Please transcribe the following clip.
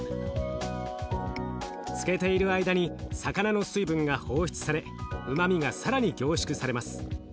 漬けている間に魚の水分が放出されうまみが更に凝縮されます。